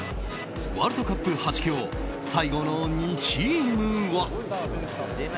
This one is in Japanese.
ワールドカップ８強最後の２チームは。